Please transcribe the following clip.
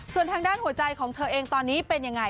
ส่วนทางด้านหัวใจของเธอเองตอนนี้เป็นยังไง